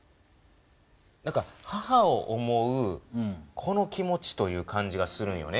何か母を思う子の気持ちという感じがするんよね